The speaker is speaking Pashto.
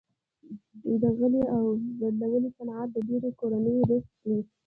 د غالۍ اوبدلو صنعت د ډیرو کورنیو رزق دی۔